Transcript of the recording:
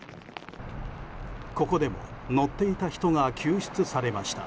ここでも乗っていた人が救出されました。